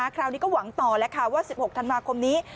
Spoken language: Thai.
คราวนี้ก็หวังต่อแล้วค่ะว่า๑๖ธันวาคมนี้